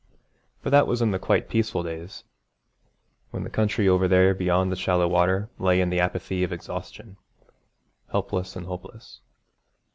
But that was in the quite peaceful days, when the country over there beyond the shallow water lay in the apathy of exhaustion helpless and hopeless.